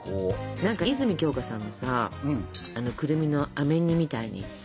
何か泉鏡花さんのさくるみのあめ煮みたいにさ